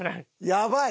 やばい！